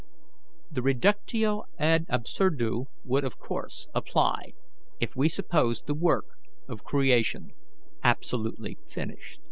The reductio ad absurdu would of course apply if we supposed the work of creation absolutely finished."